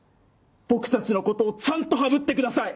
僕たちのことをちゃんとハブってください！